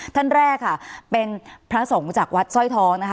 ท่านแรกค่ะเป็นพระสงฆ์จากวัดสร้อยทองนะคะ